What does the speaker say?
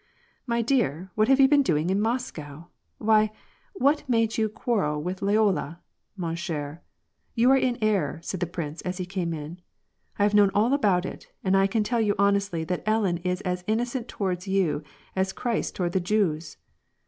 " My dear, what have you been doing in Moscow ? Why, what made you quarrel with Lyola, man cher ? You are in error," said the prince, as he came in. " I have known all about it, and I can tell you honestly that Ellen is as innocent toward you as Christ toward the Jews."